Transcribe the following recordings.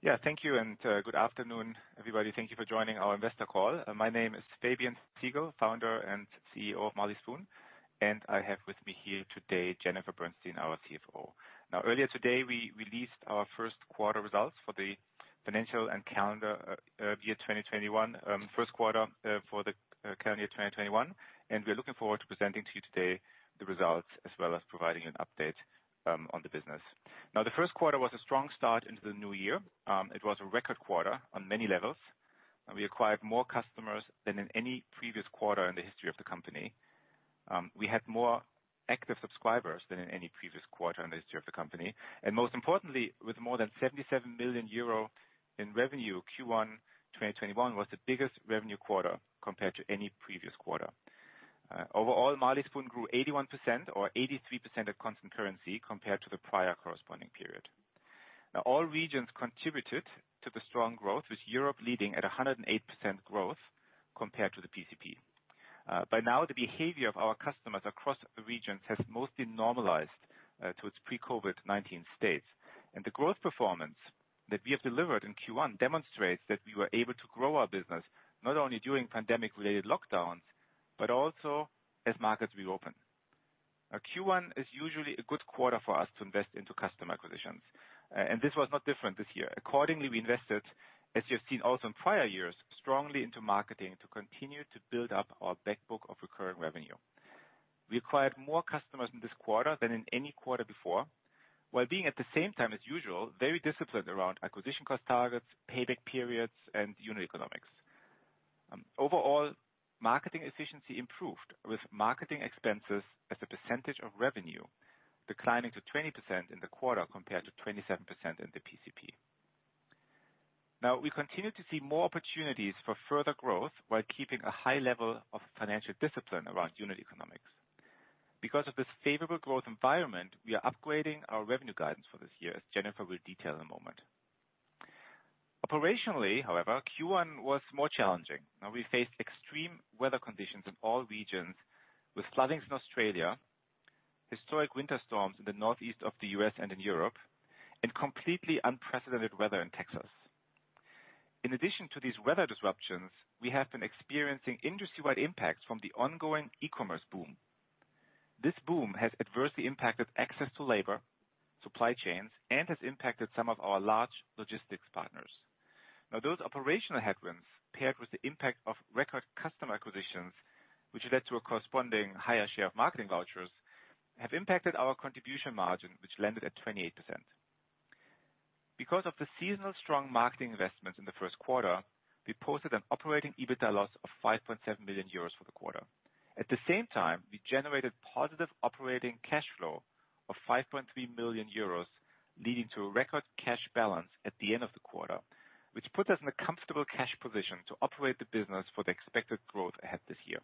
Yeah. Thank you, good afternoon, everybody. Thank you for joining our investor call. My name is Fabian Siegel, Founder and Chief Executive Officer of Marley Spoon, and I have with me here today, Jennifer Bernstein, our Chief Financial Officer. Earlier today, we released our first quarter results for the financial and calendar year 2021. First quarter for the calendar year 2021, we're looking forward to presenting to you today the results as well as providing an update on the business. The first quarter was a strong start into the new year. It was a record quarter on many levels. We acquired more customers than in any previous quarter in the history of the company. We had more active subscribers than in any previous quarter in the history of the company, and most importantly, with more than 77 million euro in revenue, Q1 2021 was the biggest revenue quarter compared to any previous quarter. Overall, Marley Spoon grew 81% or 83% at constant currency compared to the prior corresponding period. All regions contributed to the strong growth, with Europe leading at 108% growth compared to the PCP. By now, the behavior of our customers across the regions has mostly normalized to its pre-COVID-19 states, and the growth performance that we have delivered in Q1 demonstrates that we were able to grow our business not only during pandemic-related lockdowns, but also as markets reopen. Q1 is usually a good quarter for us to invest into customer acquisitions, and this was not different this year. Accordingly, we invested, as you have seen also in prior years, strongly into marketing to continue to build up our back book of recurring revenue. We acquired more customers in this quarter than in any quarter before, while being at the same time, as usual, very disciplined around acquisition cost targets, payback periods, and unit economics. Overall, marketing efficiency improved, with marketing expenses as a percentage of revenue declining to 20% in the quarter compared to 27% in the PCP. We continue to see more opportunities for further growth while keeping a high level of financial discipline around unit economics. Because of this favorable growth environment, we are upgrading our revenue guidance for this year, as Jennifer will detail in a moment. Operationally, however, Q1 was more challenging. We faced extreme weather conditions in all regions with floodings in Australia, historic winter storms in the northeast of the U.S. and in Europe, and completely unprecedented weather in Texas. In addition to these weather disruptions, we have been experiencing industry-wide impacts from the ongoing e-commerce boom. This boom has adversely impacted access to labor, supply chains, and has impacted some of our large logistics partners. Those operational headwinds paired with the impact of record customer acquisitions, which led to a corresponding higher share of marketing vouchers, have impacted our contribution margin, which landed at 28%. Because of the seasonal strong marketing investments in the first quarter, we posted an operating EBITDA loss of 5.7 million euros for the quarter. At the same time, we generated positive operating cash flow of 5.3 million euros, leading to a record cash balance at the end of the quarter, which put us in a comfortable cash position to operate the business for the expected growth ahead this year.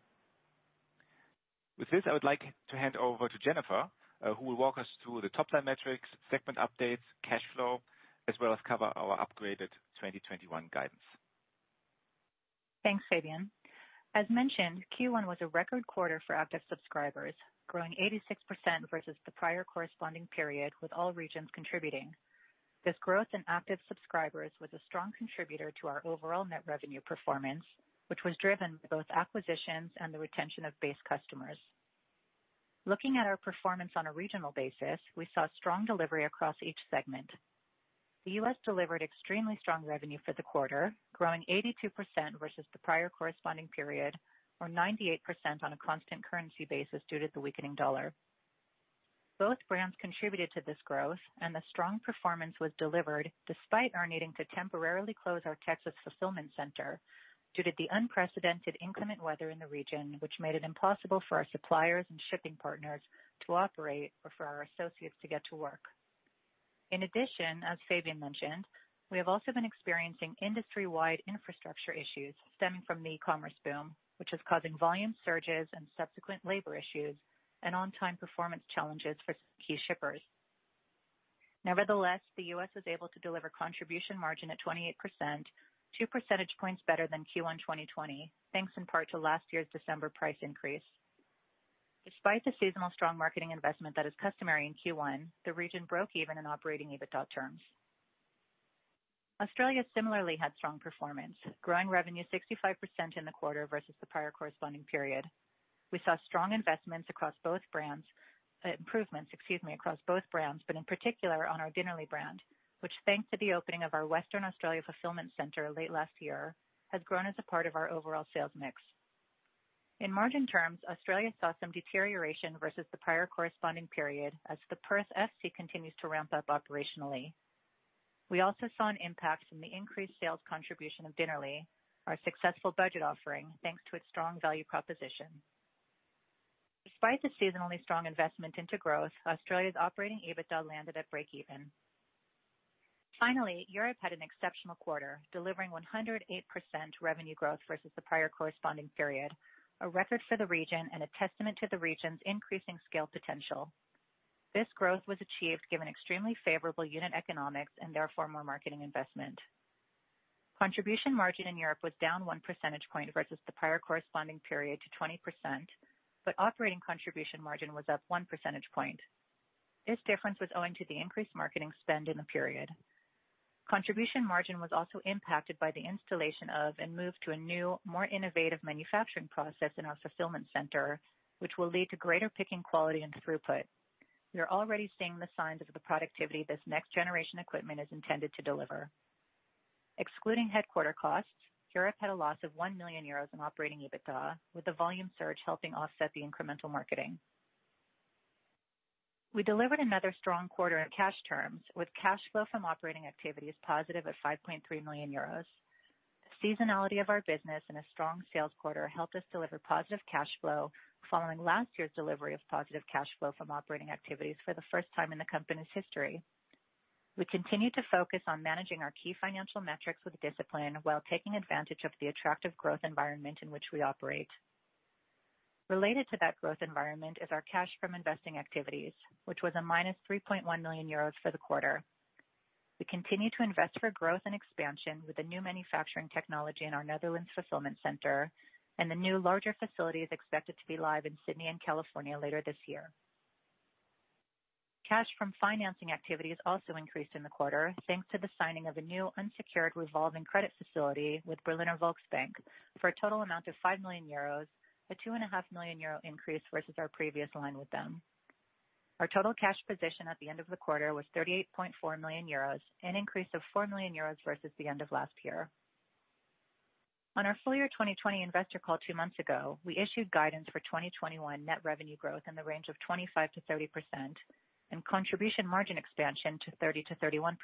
With this, I would like to hand over to Jennifer, who will walk us through the top-line metrics, segment updates, cash flow, as well as cover our upgraded 2021 guidance. Thanks, Fabian. As mentioned, Q1 was a record quarter for active subscribers, growing 86% versus the prior corresponding period, with all regions contributing. This growth in active subscribers was a strong contributor to our overall net revenue performance, which was driven by both acquisitions and the retention of base customers. Looking at our performance on a regional basis, we saw strong delivery across each segment. The U.S. delivered extremely strong revenue for the quarter, growing 82% versus the prior corresponding period, or 98% on a constant currency basis due to the weakening dollar. Both brands contributed to this growth and the strong performance was delivered despite our needing to temporarily close our Texas fulfillment center due to the unprecedented inclement weather in the region, which made it impossible for our suppliers and shipping partners to operate or for our associates to get to work. In addition, as Fabian mentioned, we have also been experiencing industry-wide infrastructure issues stemming from the e-commerce boom, which is causing volume surges and subsequent labor issues and on-time performance challenges for key shippers. Nevertheless, the U.S. was able to deliver contribution margin at 28%, two percentage points better than Q1 2020, thanks in part to last year's December price increase. Despite the seasonal strong marketing investment that is customary in Q1, the region broke even in operating EBITDA terms. Australia similarly had strong performance, growing revenue 65% in the quarter versus the prior corresponding period. We saw strong investments across both brands, improvements, excuse me, across both brands, but in particular on our Dinnerly brand, which thanks to the opening of our Western Australia fulfillment center late last year, has grown as a part of our overall sales mix. In margin terms, Australia saw some deterioration versus the prior corresponding period as the Perth FC continues to ramp up operationally. We also saw an impact from the increased sales contribution of Dinnerly, our successful budget offering, thanks to its strong value proposition. Despite the seasonally strong investment into growth, Australia's operating EBITDA landed at breakeven. Europe had an exceptional quarter, delivering 108% revenue growth versus the prior corresponding period, a record for the region and a testament to the region's increasing scale potential. This growth was achieved given extremely favorable unit economics and therefore more marketing investment. Contribution margin in Europe was down one percentage point versus the prior corresponding period to 20%, but operating contribution margin was up one percentage point. This difference was owing to the increased marketing spend in the period. Contribution margin was also impacted by the installation of and move to a new, more innovative manufacturing process in our fulfillment center, which will lead to greater picking quality and throughput. We are already seeing the signs of the productivity this next-generation equipment is intended to deliver. Excluding headquarter costs, Europe had a loss of 1 million euros in operating EBITDA, with the volume surge helping offset the incremental marketing. We delivered another strong quarter in cash terms, with cash flow from operating activities positive at 5.3 million euros. The seasonality of our business and a strong sales quarter helped us deliver positive cash flow following last year's delivery of positive cash flow from operating activities for the first time in the company's history. We continue to focus on managing our key financial metrics with discipline while taking advantage of the attractive growth environment in which we operate. Related to that growth environment is our cash from investing activities, which was a minus 3.1 million euros for the quarter. We continue to invest for growth and expansion with the new manufacturing technology in our Netherlands Fulfillment Center and the new larger facilities expected to be live in Sydney and California later this year. Cash from financing activities also increased in the quarter, thanks to the signing of a new unsecured revolving credit facility with Berliner Volksbank for a total amount of 5 million euros, a two and a half million EUR increase versus our previous line with them. Our total cash position at the end of the quarter was 38.4 million euros, an increase of 4 million euros versus the end of last year. On our full year 2020 investor call two months ago, we issued guidance for 2021 net revenue growth in the range of 25%-30% and contribution margin expansion to 30%-31%.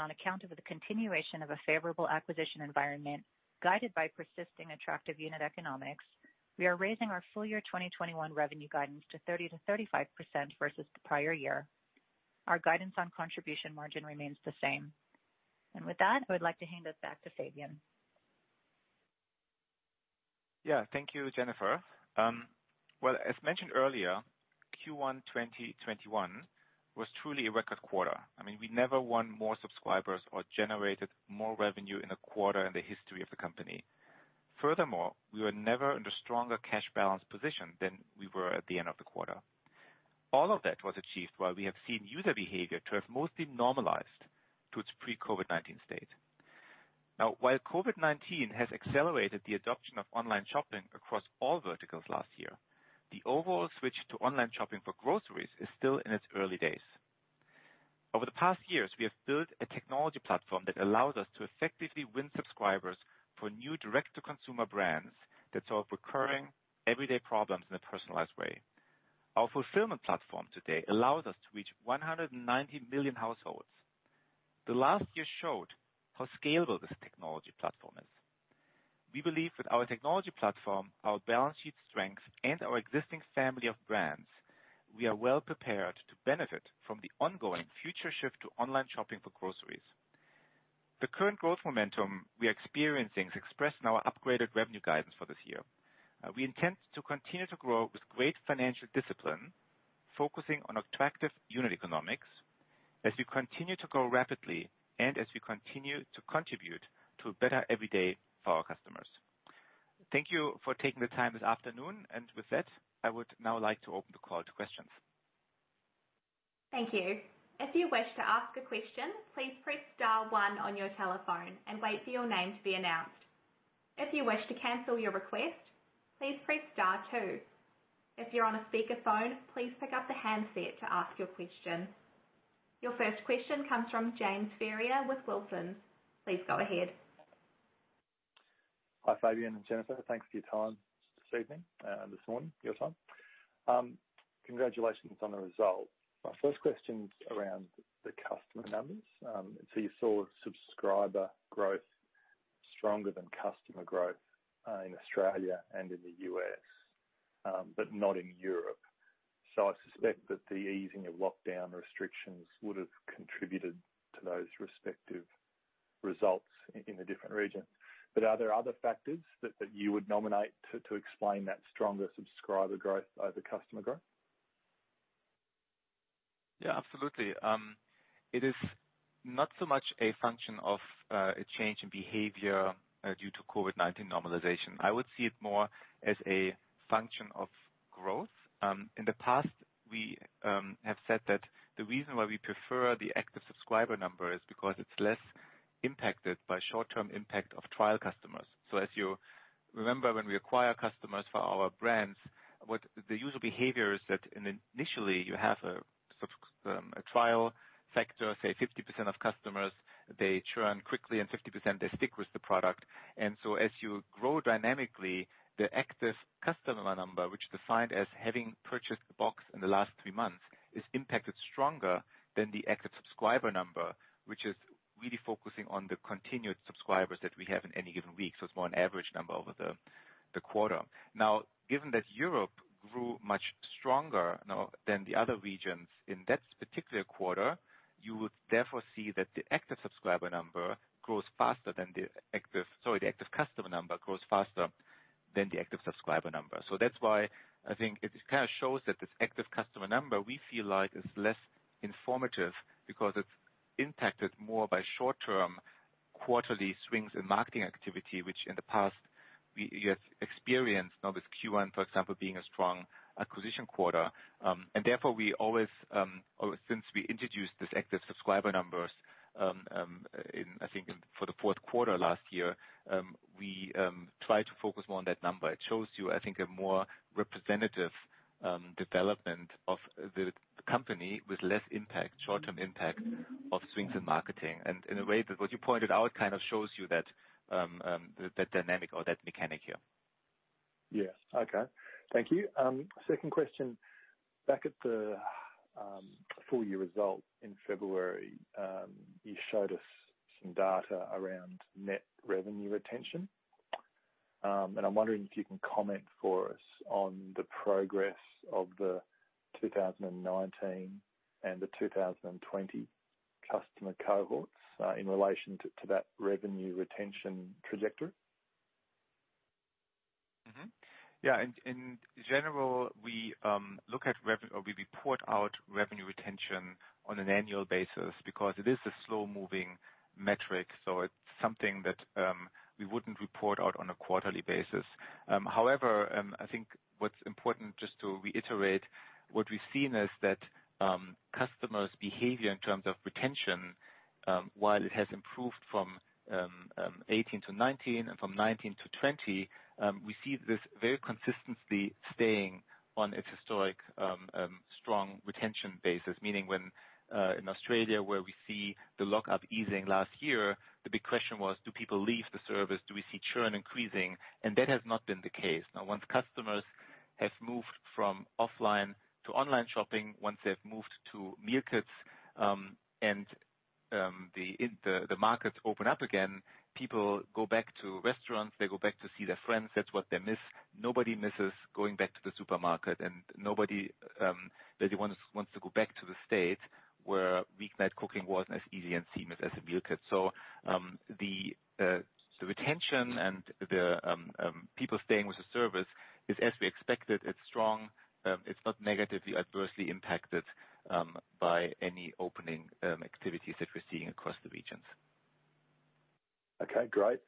On account of the continuation of a favorable acquisition environment guided by persisting attractive unit economics, we are raising our full year 2021 revenue guidance to 30%-35% versus the prior year. Our guidance on contribution margin remains the same. With that, I would like to hand it back to Fabian. Yeah. Thank you, Jennifer. Well, as mentioned earlier, Q1 2021 was truly a record quarter. We never won more subscribers or generated more revenue in a quarter in the history of the company. Furthermore, we were never in a stronger cash balance position than we were at the end of the quarter. All of that was achieved while we have seen user behavior to have mostly normalized to its pre-COVID-19 state. Now, while COVID-19 has accelerated the adoption of online shopping across all verticals last year, the overall switch to online shopping for groceries is still in its early days. Over the past years, we have built a technology platform that allows us to effectively win subscribers for new direct-to-consumer brands that solve recurring, everyday problems in a personalized way. Our fulfillment platform today allows us to reach 190 million households. The last year showed how scalable this technology platform is. We believe with our technology platform, our balance sheet strength, and our existing family of brands, we are well prepared to benefit from the ongoing future shift to online shopping for groceries. The current growth momentum we are experiencing is expressed in our upgraded revenue guidance for this year. We intend to continue to grow with great financial discipline, focusing on attractive unit economics as we continue to grow rapidly and as we continue to contribute to a better everyday for our customers. Thank you for taking the time this afternoon. With that, I would now like to open the call to questions. Your first question comes from James Ferrier with Wilsons. Please go ahead. Hi, Fabian and Jennifer. Thanks for your time this evening, this morning, your time. Congratulations on the results. My first question's around the customer numbers. You saw subscriber growth stronger than customer growth in Australia and in the U.S., but not in Europe. I suspect that the easing of lockdown restrictions would've contributed to those respective results in the different regions. Are there other factors that you would nominate to explain that stronger subscriber growth over customer growth? Yeah, absolutely. It is not so much a function of a change in behavior due to COVID-19 normalization. I would see it more as a function of growth. In the past, we have said that the reason why we prefer the active subscriber number is because it's less impacted by short-term impact of trial customers. As you remember, when we acquire customers for our brands, the user behavior is that initially you have a trial factor, say 50% of customers, they churn quickly, and 50% they stick with the product. As you grow dynamically, the active customer number, which defined as having purchased the box in the last three months, is impacted stronger than the active subscriber number, which is really focusing on the continued subscribers that we have in any given week. It's more an average number over the quarter. Given that Europe grew much stronger than the other regions in that particular quarter, you would therefore see that the active customer number grows faster than the active subscriber number. That's why I think it shows that this active customer number, we feel like is less informative because it's impacted more by short-term quarterly swings in marketing activity, which in the past we have experienced. This Q1, for example, being a strong acquisition quarter. Therefore, since we introduced these active subscriber numbers, I think for the fourth quarter last year, we try to focus more on that number. It shows you, I think, a more representative development of the company with less short-term impact of swings in marketing. In a way, what you pointed out kind of shows you that dynamic or that mechanic here. Yes. Okay. Thank you. Second question. Back at the full year results in February, you showed us some data around net revenue retention. I'm wondering if you can comment for us on the progress of the 2019 and the 2020 customer cohorts in relation to that revenue retention trajectory. Yeah. In general, we report out revenue retention on an annual basis because it is a slow-moving metric, so it's something that we wouldn't report out on a quarterly basis. However, I think what's important, just to reiterate, what we've seen is that customers' behavior in terms of retention, while it has improved from 2018 to 2019 and from 2019 to 2020, we see this very consistently staying on its historic strong retention basis. Meaning when, in Australia, where we see the lockup easing last year, the big question was: Do people leave the service? Do we see churn increasing? That has not been the case. Now, once customers have moved from offline to online shopping, once they've moved to meal kits and the markets open up again, people go back to restaurants, they go back to see their friends. That's what they miss. Nobody misses going back to the supermarket, and nobody wants to go back to the States where week-night cooking wasn't as easy and seamless as a meal kit. The retention and the people staying with the service is as we expected. It's strong. It's not negatively adversely impacted by any opening activities that we're seeing across the regions. Okay. Great.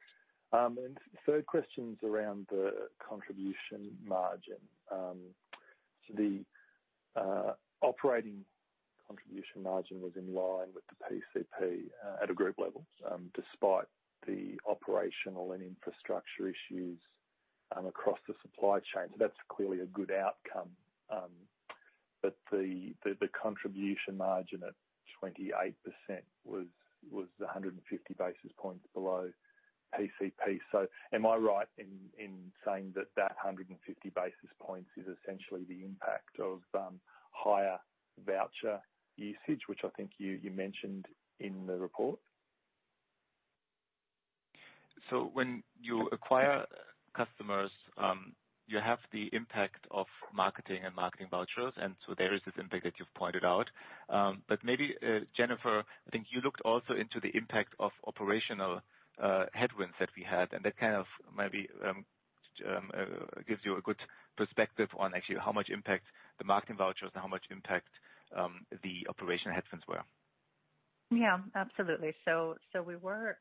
Third question's around the contribution margin. The operating contribution margin was in line with the PCP at a group level, despite the operational and infrastructure issues across the supply chain. That's clearly a good outcome. The contribution margin at 28% was 150 basis points below PCP. Am I right in saying that that 150 basis points is essentially the impact of higher voucher usage, which I think you mentioned in the report? When you acquire customers, you have the impact of marketing and marketing vouchers. There is this impact that you've pointed out. Maybe, Jennifer, I think you looked also into the impact of operational headwinds that we had, and that kind of maybe gives you a good perspective on actually how much impact the marketing vouchers and how much impact the operational headwinds were. Yeah, absolutely. We were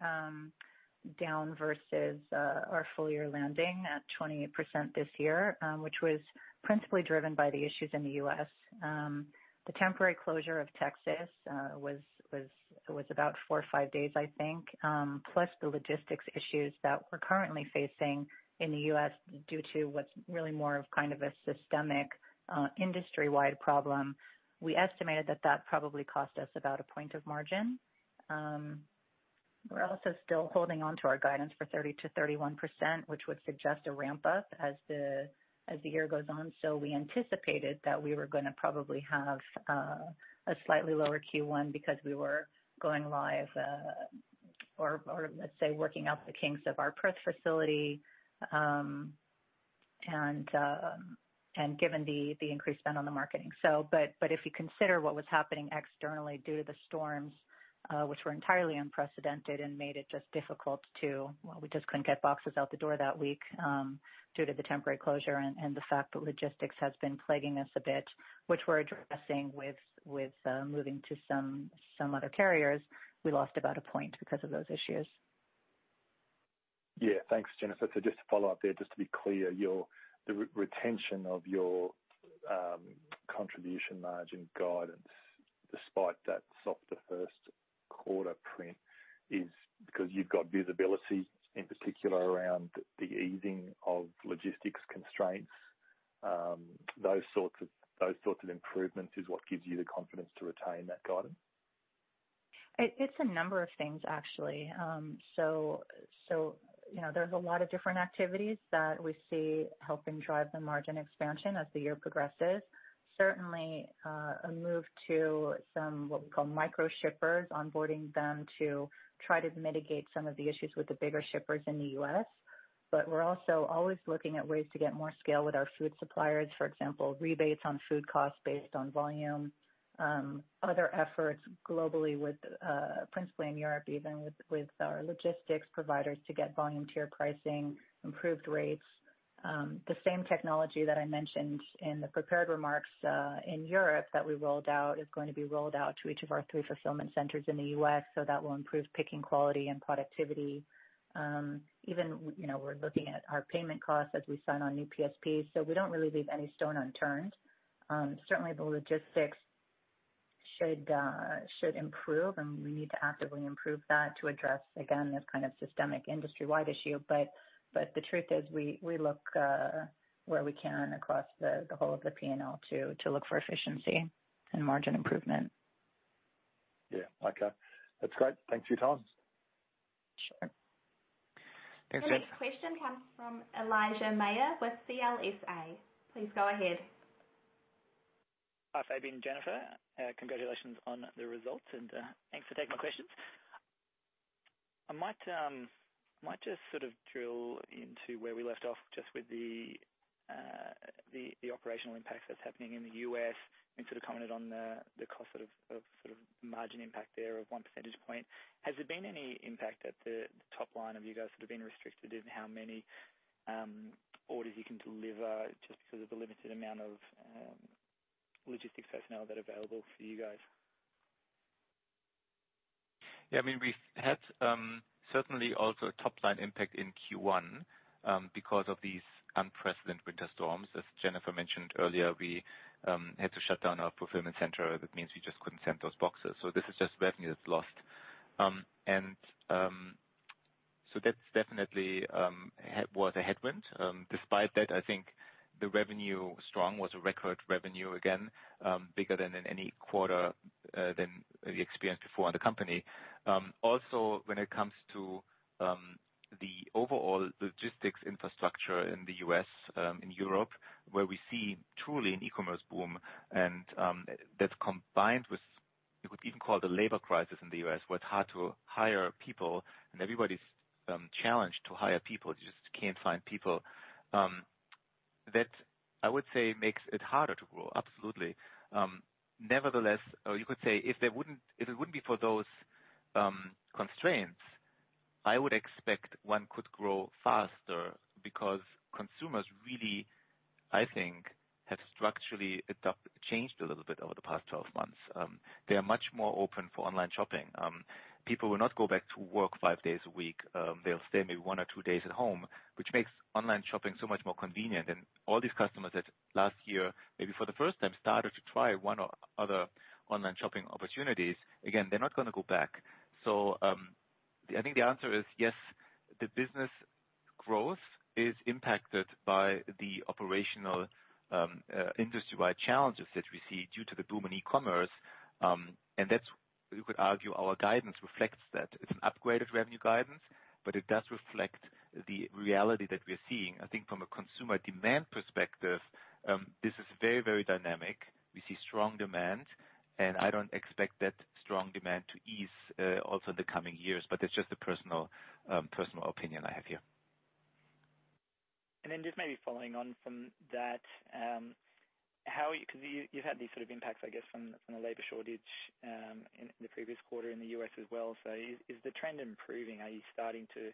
down versus our full-year landing at 28% this year, which was principally driven by the issues in the U.S. The temporary closure of Texas was about four or five days, I think, plus the logistics issues that we're currently facing in the U.S. due to what's really more of kind of a systemic industry-wide problem. We estimated that that probably cost us about a point of margin. We're also still holding onto our guidance for 30%-31%, which would suggest a ramp-up as the year goes on. We anticipated that we were going to probably have a slightly lower Q1 because we were going live or, let's say, working out the kinks of our Perth facility, and given the increased spend on the marketing. If you consider what was happening externally due to the storms, which were entirely unprecedented and made it just Well, we just couldn't get boxes out the door that week due to the temporary closure and the fact that logistics has been plaguing us a bit, which we're addressing with moving to some other carriers. We lost about a point because of those issues. Yeah. Thanks, Jennifer. Just to follow up there, just to be clear, the retention of your contribution margin guidance, despite that softer first quarter print, is because you've got visibility, in particular, around the easing of logistics constraints. Those sorts of improvements is what gives you the confidence to retain that guidance? It's a number of things, actually. There's a lot of different activities that we see helping drive the margin expansion as the year progresses. Certainly, a move to some, what we call micro shippers, onboarding them to try to mitigate some of the issues with the bigger shippers in the U.S. We're also always looking at ways to get more scale with our food suppliers. For example, rebates on food costs based on volume. Other efforts globally with, principally in Europe even, with our logistics providers to get volume tier pricing, improved rates. The same technology that I mentioned in the prepared remarks in Europe that we rolled out is going to be rolled out to each of our three fulfillment centers in the U.S., so that will improve picking quality and productivity. Even we're looking at our payment costs as we sign on new PSPs. We don't really leave any stone unturned. Certainly, the logistics should improve, and we need to actively improve that to address, again, this kind of systemic industry-wide issue. The truth is we look where we can across the whole of the P&L to look for efficiency and margin improvement. Yeah, okay. That's great. Thanks for your time. Sure. Thanks. The next question comes from Elijah Mayr with CLSA. Please go ahead. Hi, Fabian, Jennifer. Congratulations on the results, and thanks for taking my questions. I might just sort of drill into where we left off, just with the operational impact that's happening in the U.S. and sort of comment on the cost of margin impact there of one percentage point. Has there been any impact at the top line of you guys that have been restricted in how many orders you can deliver just because of the limited amount of logistics personnel that are available for you guys? We've had certainly also a top-line impact in Q1 because of these unprecedented winter storms. As Jennifer mentioned earlier, we had to shut down our fulfillment center. That means we just couldn't send those boxes. This is just revenue that's lost. That definitely was a headwind. Despite that, I think the revenue was strong, was a record revenue again, bigger than in any quarter than we experienced before in the company. When it comes to the overall logistics infrastructure in the U.S., in Europe, where we see truly an e-commerce boom, and that's combined with, you could even call the labor crisis in the U.S., where it's hard to hire people and everybody's challenged to hire people. You just can't find people. That, I would say, makes it harder to grow. Absolutely. Nevertheless, or you could say, if it wouldn't be for those constraints, I would expect one could grow faster because consumers really, I think, have structurally changed a little bit over the past 12 months. They are much more open for online shopping. People will not go back to work five days a week. They'll stay maybe one or two days at home, which makes online shopping so much more convenient. All these customers that last year, maybe for the first time, started to try one or other online shopping opportunities, again, they're not going to go back. I think the answer is yes, the business growth is impacted by the operational industry-wide challenges that we see due to the boom in e-commerce. You could argue our guidance reflects that. It's an upgraded revenue guidance, but it does reflect the reality that we're seeing. I think from a consumer demand perspective, this is very dynamic. We see strong demand, and I don't expect that strong demand to ease also in the coming years, but that's just a personal opinion I have here. Just maybe following on from that, because you've had these sort of impacts, I guess, from the labor shortage in the previous quarter in the U.S. as well. Is the trend improving? Are you starting to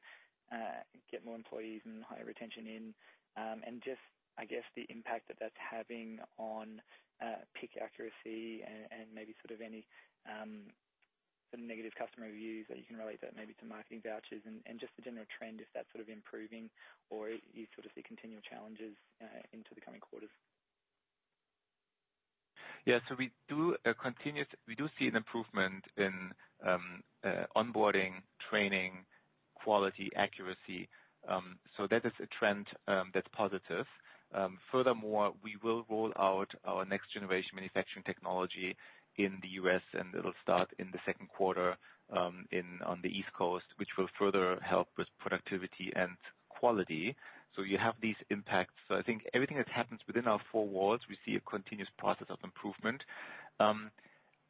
get more employees and higher retention in? Just, I guess, the impact that that's having on pick accuracy and maybe any negative customer reviews that you can relate that maybe to marketing vouchers and just the general trend, if that's improving or you sort of see continual challenges into the coming quarters? We do see an improvement in onboarding, training, quality, accuracy. That is a trend that's positive. Furthermore, we will roll out our next-generation manufacturing technology in the U.S., and it'll start in the second quarter on the East Coast, which will further help with productivity and quality. You have these impacts. I think everything that happens within our four walls, we see a continuous process of improvement.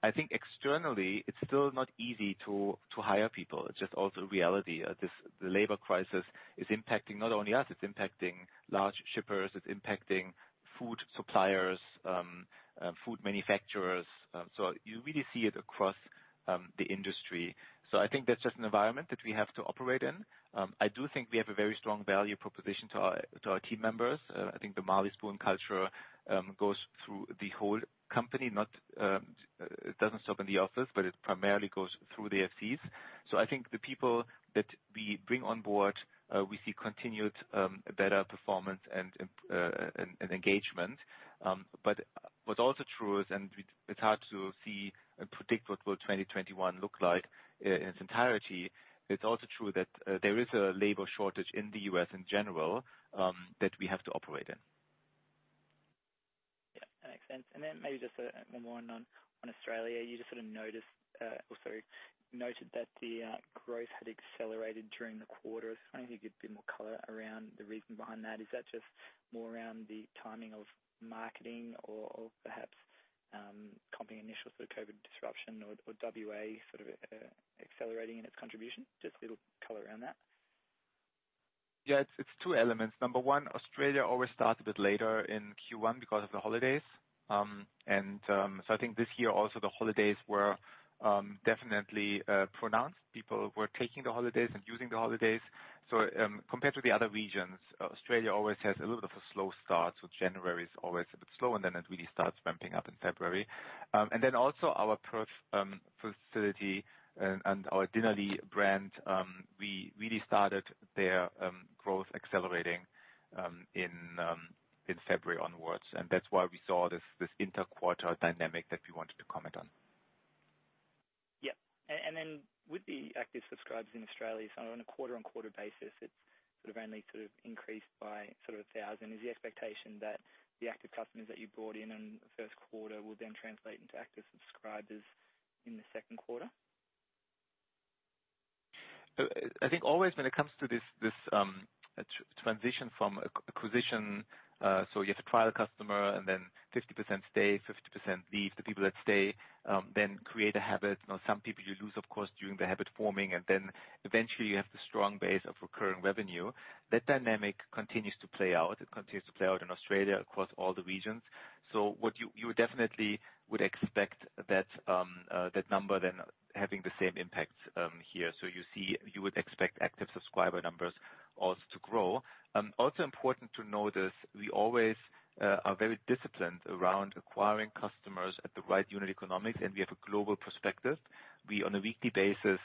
I think externally, it's still not easy to hire people. It's just also reality. The labor crisis is impacting not only us, it's impacting large shippers, it's impacting food suppliers, food manufacturers. You really see it across the industry. I think that's just an environment that we have to operate in. I do think we have a very strong value proposition to our team members. I think the Marley Spoon culture goes through the whole company. It doesn't stop in the office, but it primarily goes through the FCs. I think the people that we bring on board, we see continued better performance and engagement. What's also true is, and it's hard to see and predict what will 2021 look like in its entirety. It's also true that there is a labor shortage in the U.S. in general that we have to operate in. Yeah, that makes sense. Maybe just one more on Australia. You just sort of noted that the growth had accelerated during the quarter. I was wondering if you could give a bit more color around the reason behind that. Is that just more around the timing of marketing or perhaps comping initial sort of COVID disruption or WA sort of accelerating in its contribution? Just a little color around that. Yeah, it's two elements. Number one, Australia always starts a bit later in Q1 because of the holidays. I think this year also the holidays were definitely pronounced. People were taking the holidays and using the holidays. Compared to the other regions, Australia always has a little bit of a slow start. January is always a bit slow, and then it really starts ramping up in February. Also our Perth facility and our Dinnerly brand, we really started their growth accelerating in February onwards, and that's why we saw this inter-quarter dynamic that we wanted to comment on. Yeah. With the active subscribers in Australia, on a quarter-on-quarter basis, it's sort of only increased by 1,000. Is the expectation that the active customers that you brought in in the first quarter will then translate into active subscribers in the second quarter? I think always when it comes to this transition from acquisition, so you have a trial customer and then 50% stay, 50% leave. The people that stay create a habit. Some people you lose, of course, during the habit forming, eventually you have the strong base of recurring revenue. That dynamic continues to play out. It continues to play out in Australia, across all the regions. You definitely would expect that number having the same impact here. You would expect active subscriber numbers also to grow. Also important to note is we always are very disciplined around acquiring customers at the right unit economics, and we have a global perspective. We, on a weekly basis,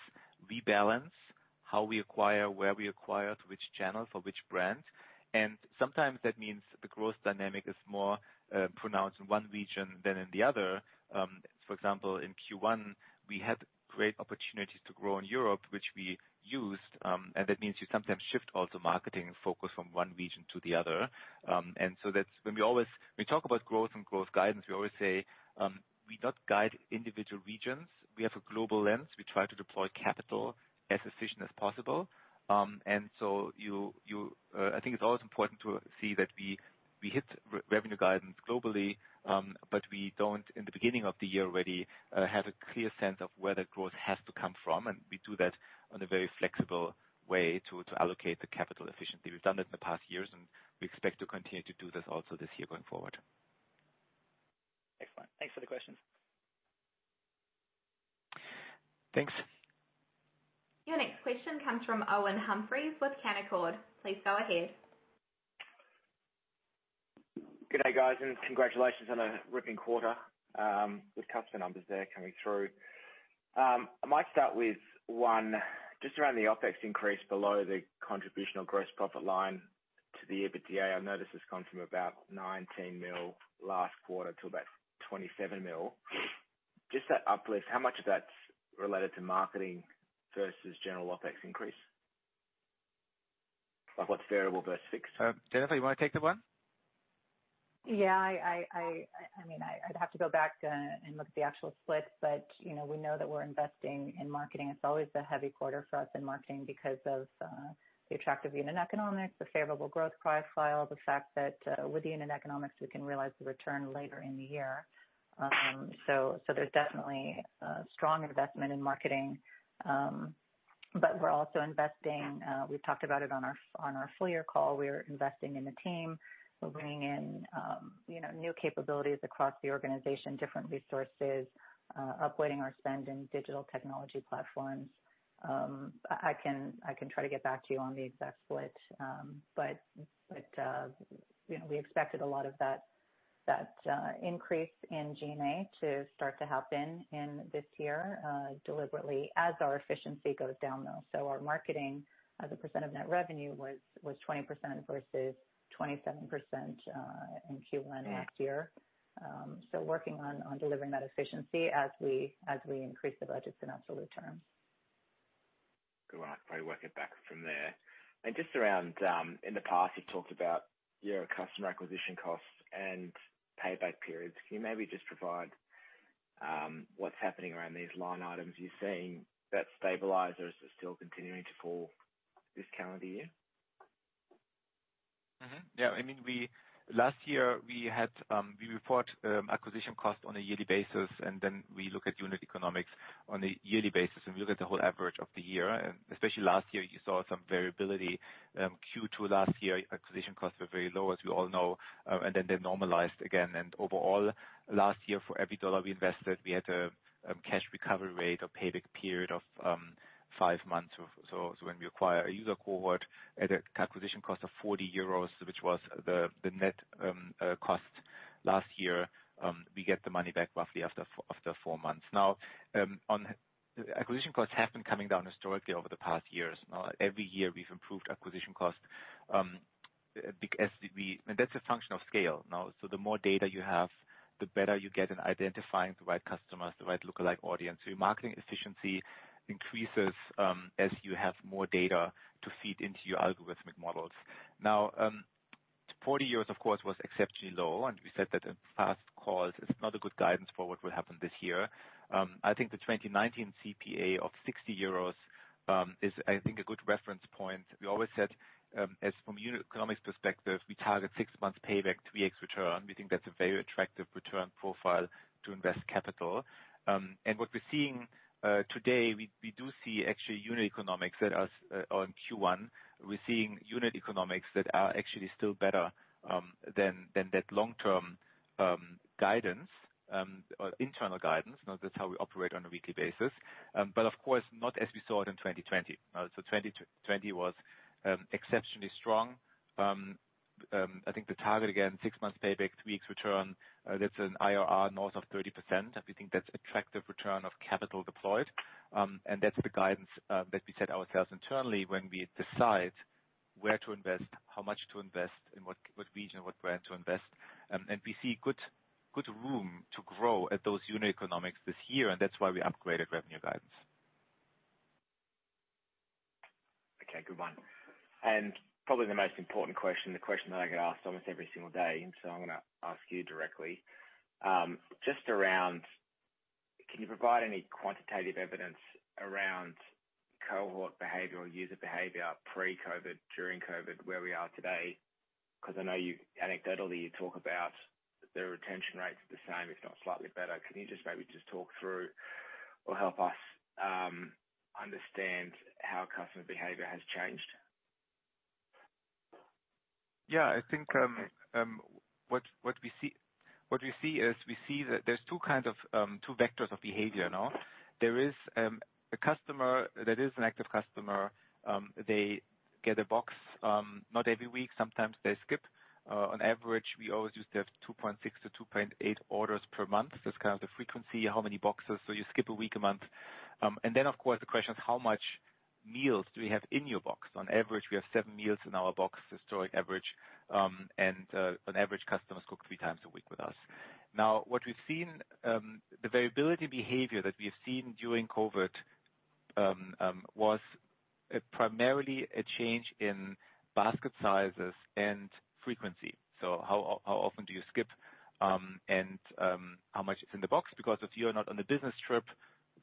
rebalance how we acquire, where we acquire, to which channel, for which brand. Sometimes that means the growth dynamic is more pronounced in one region than in the other. For example, in Q1, we had great opportunities to grow in Europe, which we used. That means you sometimes shift also marketing focus from one region to the other. When we talk about growth and growth guidance, we always say, we don't guide individual regions. We have a global lens. We try to deploy capital as efficient as possible. I think it's always important to see that we hit revenue guidance globally, but we don't, in the beginning of the year already, have a clear sense of where the growth has to come from, and we do that in a very flexible way to allocate the capital efficiently. We've done that in the past years, and we expect to continue to do this also this year going forward. Excellent. Thanks for the questions. Thanks. Your next question comes from Owen Humphries with Canaccord. Please go ahead. Good day, guys. Congratulations on a ripping quarter, with customer numbers there coming through. I might start with, one, just around the OpEx increase below the contribution or gross profit line to the EBITDA. I've noticed it's gone from about 19 million last quarter to about 27 million. Just that uplift, how much of that's related to marketing versus general OpEx increase? Like what's variable versus fixed? Jennifer, you want to take that one? Yeah. I'd have to go back and look at the actual split, we know that we're investing in marketing. It's always a heavy quarter for us in marketing because of the attractive unit economics, the favorable growth profile, the fact that with the unit economics, we can realize the return later in the year. There's definitely a strong investment in marketing. We're also investing, we talked about it on our full-year call, we're investing in the team. We're bringing in new capabilities across the organization, different resources, uploading our spend in digital technology platforms. I can try to get back to you on the exact split. We expected a lot of that increase in G&A to start to happen in this year deliberately as our efficiency goes down, though. Our marketing as a percent of net revenue was 20% versus 27% in Q1 last year. Working on delivering that efficiency as we increase the budgets in absolute terms. Cool. I can probably work it back from there. Just around, in the past, you've talked about your customer acquisition costs and payback periods. Can you maybe just provide what's happening around these line items you're seeing, that stabilizers are still continuing to fall this calendar year? Mm-hmm. Yeah. Last year, we report acquisition cost on a yearly basis. Then we look at unit economics on a yearly basis. We look at the whole average of the year. Especially last year, you saw some variability. Q2 last year, acquisition costs were very low, as we all know. They normalized again. Overall, last year, for every EUR we invested, we had a cash recovery rate or payback period of five months. When we acquire a user cohort at a acquisition cost of 40 euros, which was the net cost last year, we get the money back roughly after four months. Acquisition costs have been coming down historically over the past years. Every year, we've improved acquisition cost. That's a function of scale now. The more data you have, the better you get in identifying the right customers, the right lookalike audience. Your marketing efficiency increases as you have more data to feed into your algorithmic models. Now, 40 of course, was exceptionally low, and we said that a past call is not a good guidance for what will happen this year. I think the 2019 CPA of 60 euros is, I think, a good reference point. We always said, as from unit economics perspective, we target six months payback, 3x return. We think that's a very attractive return profile to invest capital. What we're seeing today, we do see actually unit economics that are on Q1. We're seeing unit economics that are actually still better than that long-term internal guidance. Now, that's how we operate on a weekly basis. Of course not as we saw it in 2020. 2020 was exceptionally strong. I think the target, again, six months payback, 3x return, that's an IRR north of 30%. We think that's attractive return of capital deployed. That's the guidance that we set ourselves internally when we decide where to invest, how much to invest, in what region, what brand to invest. We see good room to grow at those unit economics this year, and that's why we upgraded revenue guidance. Okay. Good one. Probably the most important question, the question that I get asked almost every single day, I'm going to ask you directly. Can you provide any quantitative evidence around cohort behavior or user behavior pre-COVID, during COVID, where we are today? I know anecdotally you talk about their retention rates are the same, if not slightly better. Can you just maybe just talk through or help us understand how customer behavior has changed? Yeah. I think what we see is we see that there's two vectors of behavior now. There is a customer that is an active customer. They get a box, not every week. Sometimes they skip. On average, we always used to have 2.6-2.8 orders per month. That's kind of the frequency, how many boxes. You skip a week a month. Of course the question is, how much meals do we have in your box? On average, we have seven meals in our box, historic average. An average customer cook three times a week with us. Now, the variability behavior that we have seen during COVID-19, was primarily a change in basket sizes and frequency. How often do you skip, and how much is in the box? If you're not on a business trip,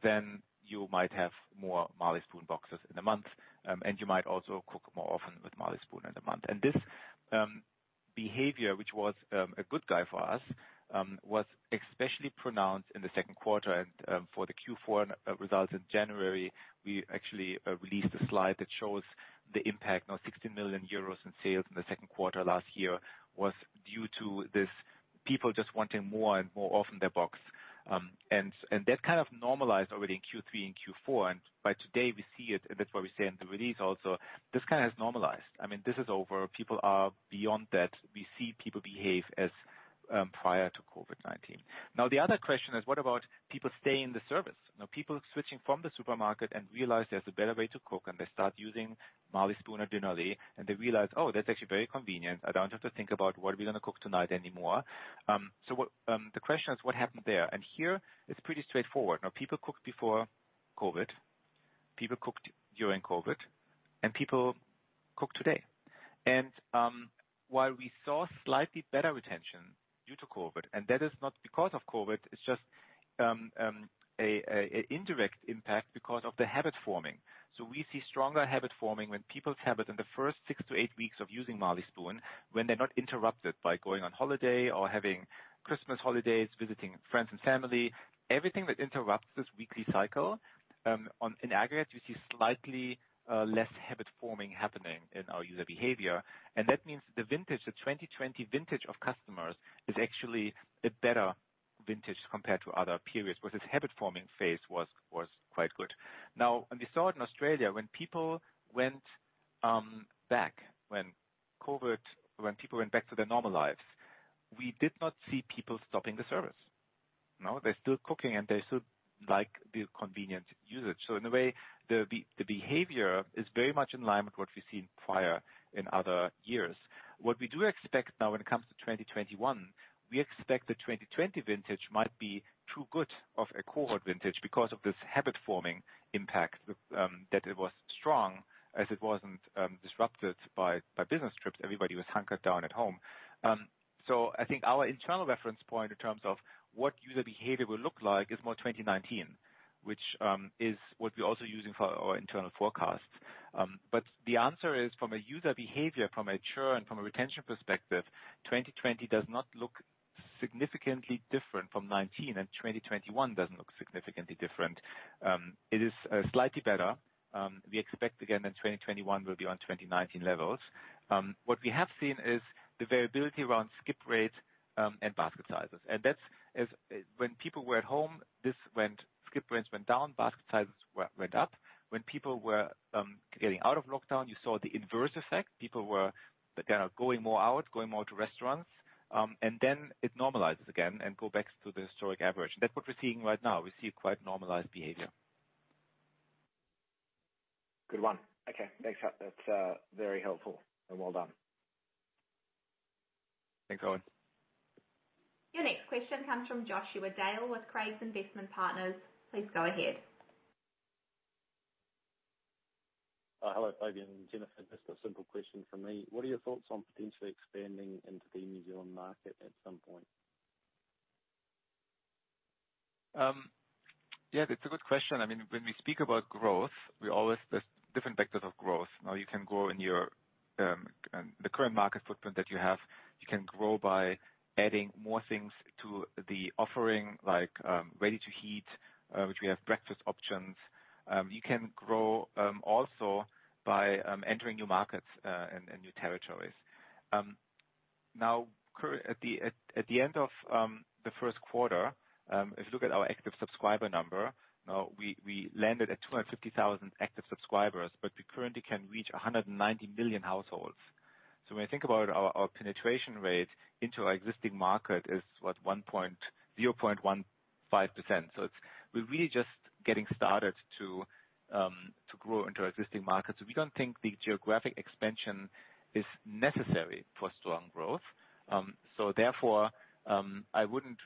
then you might have more Marley Spoon boxes in a month. You might also cook more often with Marley Spoon in a month. This behavior, which was a good guy for us, was especially pronounced in the second quarter. For the Q4 results in January, we actually released a slide that shows the impact. 60 million euros in sales in the second quarter last year was due to this people just wanting more and more often their box. That kind of normalized already in Q3 and Q4. By today we see it, and that's why we say in the release also this kind of has normalized. I mean, this is over. People are beyond that. We see people behave as prior to COVID-19. The other question is, what about people staying in the service? Now people switching from the supermarket and realize there's a better way to cook and they start using Marley Spoon or Dinnerly and they realize, "Oh, that's actually very convenient. I don't have to think about what are we going to cook tonight anymore." The question is, what happened there? Here it's pretty straightforward. Now people cooked before COVID, people cooked during COVID, and people cook today. While we saw slightly better retention due to COVID, and that is not because of COVID, it's just an indirect impact because of the habit forming. We see stronger habit forming when people's habit in the first six to eight weeks of using Marley Spoon, when they're not interrupted by going on holiday or having Christmas holidays, visiting friends and family. Everything that interrupts this weekly cycle, in aggregate, we see slightly less habit forming happening in our user behavior. That means the 2020 vintage of customers is actually a better vintage compared to other periods, where this habit forming phase was quite good. Now, we saw it in Australia when people went back to their normal lives, we did not see people stopping the service. Now they're still cooking and they still like the convenient usage. In a way, the behavior is very much in line with what we've seen prior in other years. What we do expect now when it comes to 2021, we expect the 2020 vintage might be too good of a cohort vintage because of this habit forming impact, that it was strong as it wasn't disrupted by business trips. Everybody was hunkered down at home. I think our internal reference point in terms of what user behavior will look like is more 2019. Which is what we're also using for our internal forecasts. The answer is from a user behavior, from a churn, from a retention perspective, 2020 does not look significantly different from 2019, and 2021 doesn't look significantly different. It is slightly better. We expect again that 2021 will be on 2019 levels. What we have seen is the variability around skip rates and basket sizes. That's when people were at home, skip rates went down, basket sizes went up. When people were getting out of lockdown, you saw the inverse effect. People were going more out, going more to restaurants. It normalizes again and go back to the historic average. That's what we're seeing right now. We see quite normalized behavior. Good one. Okay, thanks. That is very helpful and well done. Thanks, Owen. Your next question comes from Joshua Dale with Craigs Investment Partners. Please go ahead. Hello, Fabian and Jennifer, just a simple question from me. What are your thoughts on potentially expanding into the New Zealand market at some point? Yeah, that's a good question. When we speak about growth, there's different vectors of growth. You can grow in the current market footprint that you have. You can grow by adding more things to the offering, like ready-to-heat, which we have breakfast options. You can grow also by entering new markets and new territories. At the end of the first quarter, if you look at our active subscriber number, we landed at 250,000 active subscribers, but we currently can reach 190 million households. When you think about our penetration rate into our existing market is what? 0.15%. We're really just getting started to grow into existing markets. We don't think the geographic expansion is necessary for strong growth. Therefore, I wouldn't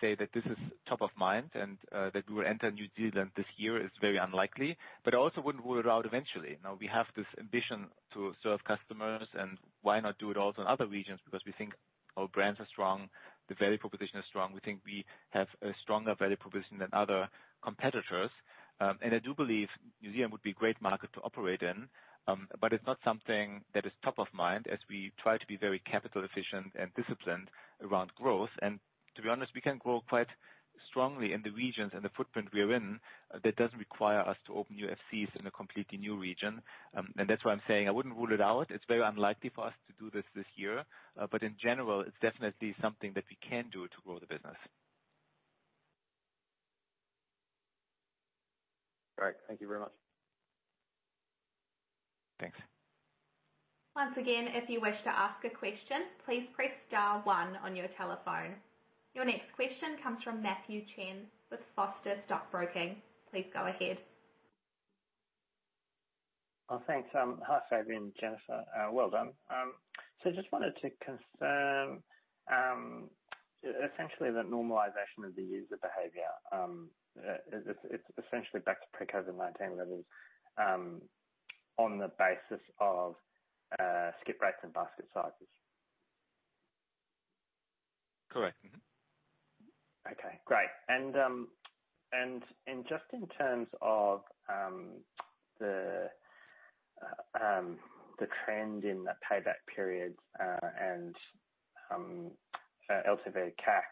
say that this is top of mind and that we will enter New Zealand this year is very unlikely, but I also wouldn't rule it out eventually. We have this ambition to serve customers, and why not do it also in other regions? We think our brands are strong, the value proposition is strong. We think we have a stronger value proposition than other competitors. I do believe New Zealand would be a great market to operate in. It's not something that is top of mind as we try to be very capital efficient and disciplined around growth. To be honest, we can grow quite strongly in the regions and the footprint we are in. That doesn't require us to open new FCs in a completely new region. That's why I'm saying I wouldn't rule it out. It's very unlikely for us to do this year. In general, it's definitely something that we can do to grow the business. All right. Thank you very much. Thanks. Once again, if you wish to ask a question, please press star one on your telephone. Your next question comes from Matthew Chen with Foster Stockbroking. Please go ahead. Thanks. Hi, Fabian and Jennifer. Well done. I just wanted to confirm, essentially that normalization of the user behavior, it's essentially back to pre-COVID-19 levels, on the basis of skip rates and basket sizes. Correct. Mm-hmm. Okay, great. Just in terms of the trend in payback periods, and LTV/CAC.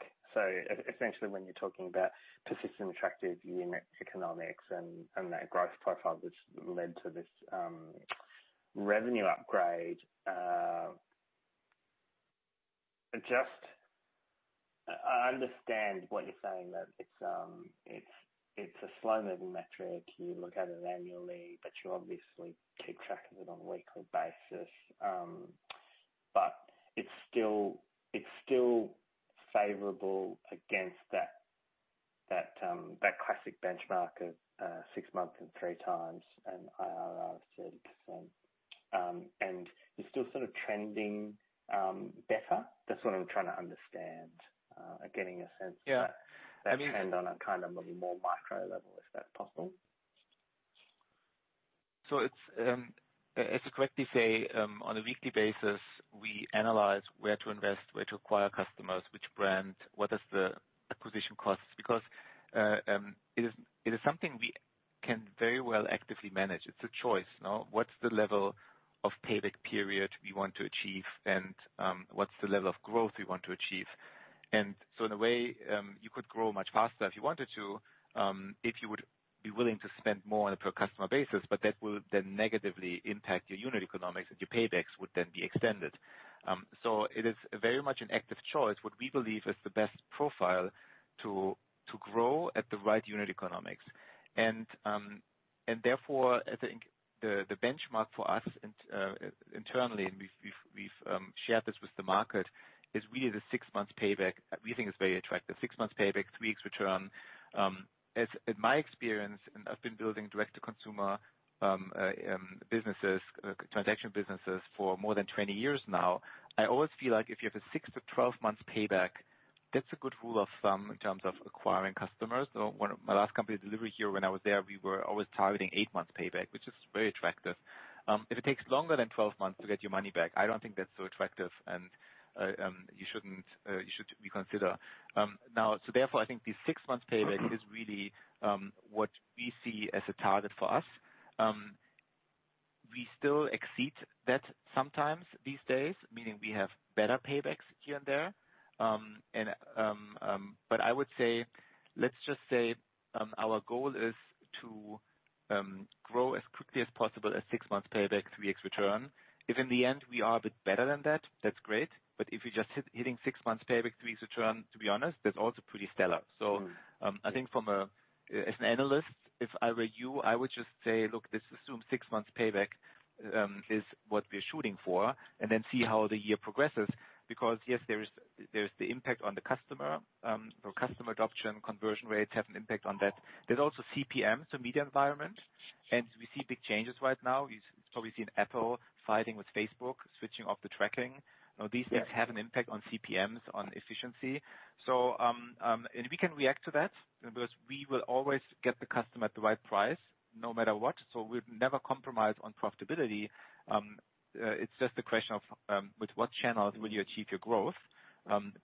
Essentially when you're talking about persistent attractive unit economics and that growth profile, which led to this revenue upgrade. I understand what you're saying, that it's a slow-moving metric. You look at it annually, but you obviously keep track of it on a weekly basis. It's still favorable against that classic benchmark of six months and three times and IRR of 30%. You're still sort of trending better. That's what I'm trying to understand, getting a sense of that. Yeah Trend on a kind of little more micro level, if that's possible. As you correctly say, on a weekly basis, we analyze where to invest, where to acquire customers, which brand, what is the acquisition cost, because it is something we can very well actively manage. It's a choice. What's the level of payback period we want to achieve and what's the level of growth we want to achieve? In a way, you could grow much faster if you wanted to, if you would be willing to spend more on a per customer basis, but that will then negatively impact your unit economics and your paybacks would then be extended. It is very much an active choice, what we believe is the best profile to grow at the right unit economics. Therefore, I think the benchmark for us internally, and we've shared this with the market, is really the six months payback we think is very attractive. Six months payback, 3X return. In my experience, and I've been building direct-to-consumer businesses, transaction businesses for more than 20 years now, I always feel like if you have a six to 12 months payback, that's a good rule of thumb in terms of acquiring customers. My last company, Delivery Hero, when I was there, we were always targeting eight months payback, which is very attractive. If it takes longer than 12 months to get your money back, I don't think that's so attractive and you should reconsider. Now, therefore, I think the six months payback is really what we see as a target for us. We still exceed that sometimes these days, meaning we have better paybacks here and there. I would say, let's just say our goal is to grow as quickly as possible at six months payback, 3X return. If in the end we are a bit better than that's great. If we're just hitting six months payback, 3x return, to be honest, that's also pretty stellar. I think as an analyst, if I were you, I would just say, "Look, let's assume six months payback is what we're shooting for," and then see how the year progresses because yes, there's the impact on the customer. Customer adoption, conversion rates have an impact on that. There's also CPM, so media environment, and we see big changes right now. Obviously in Apple fighting with Facebook, switching off the tracking. Now these things have an impact on CPMs, on efficiency. We can react to that because we will always get the customer at the right price no matter what. We'll never compromise on profitability. It's just a question of with what channels will you achieve your growth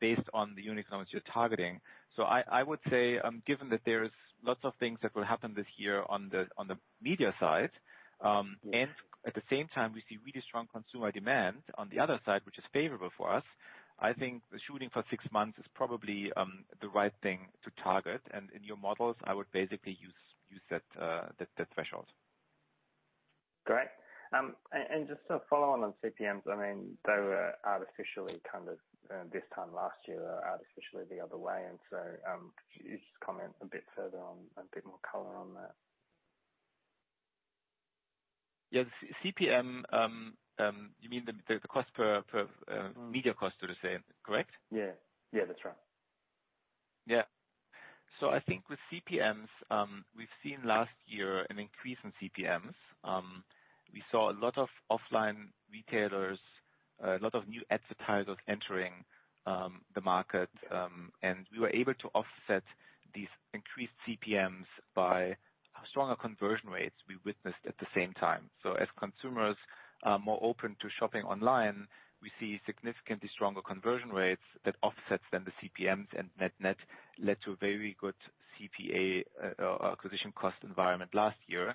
based on the unit economics you're targeting. I would say, given that there's lots of things that will happen this year on the media side, and at the same time, we see really strong consumer demand on the other side, which is favorable for us. I think shooting for six months is probably the right thing to target. In your models, I would basically use that threshold. Great. Just to follow on on CPMs, they were artificially, this time last year, artificially the other way. Could you just comment a bit further on, a bit more color on that? Yeah. CPM, you mean the cost per media cost, so to say, correct? Yeah. That's right. I think with CPMs, we've seen last year an increase in CPMs. We saw a lot of offline retailers, a lot of new advertisers entering the market, and we were able to offset these increased CPMs by stronger conversion rates we witnessed at the same time. As consumers are more open to shopping online, we see significantly stronger conversion rates that offsets then the CPMs and net led to a very good CPA, acquisition cost environment last year.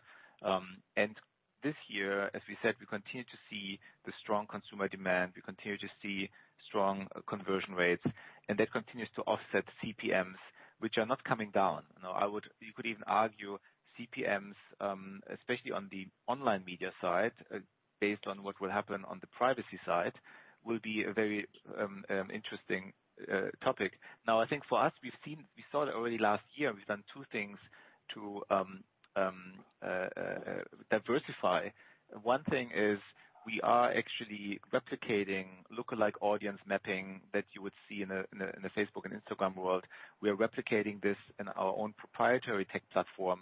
This year, as we said, we continue to see the strong consumer demand. We continue to see strong conversion rates, and that continues to offset CPMs, which are not coming down. You could even argue CPMs, especially on the online media side, based on what will happen on the privacy side, will be a very interesting topic. I think for us, we saw that already last year. We've done two things to diversify. One thing is we are actually replicating lookalike audience mapping that you would see in the Facebook and Instagram world. We are replicating this in our own proprietary tech platform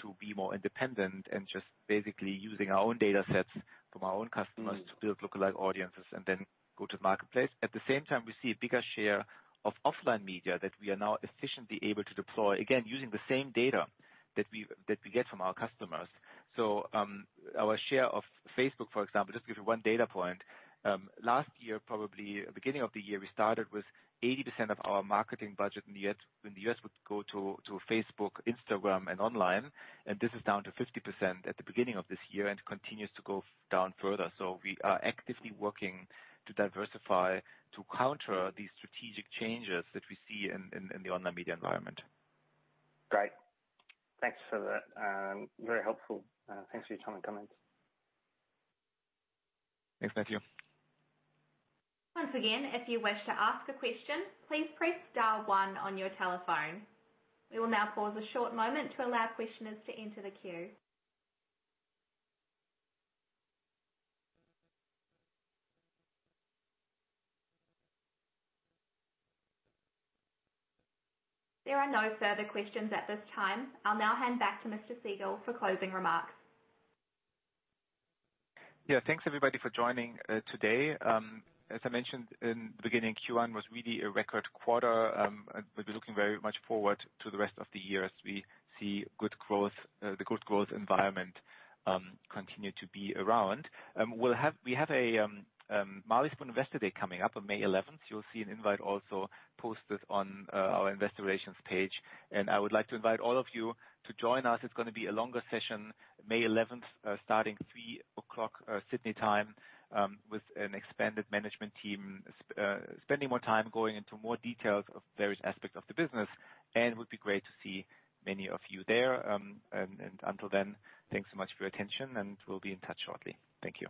to be more independent and just basically using our own data sets from our own customers to build lookalike audiences and then go to the marketplace. We see a bigger share of offline media that we are now efficiently able to deploy, again, using the same data that we get from our customers. Our share of Facebook, for example, just to give you one data point, last year, probably beginning of the year, we started with 80% of our marketing budget in the U.S. would go to Facebook, Instagram, and online. This is down to 50% at the beginning of this year and continues to go down further. We are actively working to diversify to counter these strategic changes that we see in the online media environment. Great. Thanks for that. Very helpful. Thanks for your time and comments. Thanks, Matthew. Once again, if you wish to ask a question, please press star one on your telephone. We will now pause a short moment to allow questioners to enter the queue. There are no further questions at this time. I'll now hand back to Mr. Siegel for closing remarks. Yeah. Thanks, everybody, for joining today. As I mentioned in the beginning, Q1 was really a record quarter. We'll be looking very much forward to the rest of the year as we see the good growth environment continue to be around. We have a Marley Spoon Investor Day coming up on May 11th. You'll see an invite also posted on our investor relations page. I would like to invite all of you to join us. It's going to be a longer session, May 11th, starting 3:00 P.M. Sydney time, with an expanded management team, spending more time going into more details of various aspects of the business. It would be great to see many of you there. Until then, thanks so much for your attention, and we'll be in touch shortly. Thank you.